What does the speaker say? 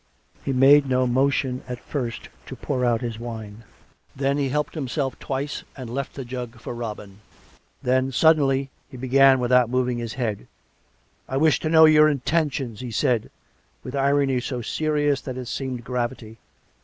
He made no motion at first to pour out his wine; then he helped himself twice and left the jug for Robin. Then suddenly he began without moving his head. " I wish to know your intentions," he said, with irony so serious that it seemed gravity.